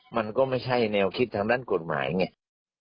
มันก็ไม่ใช่แนวคิดทางด้านกฎหมายไง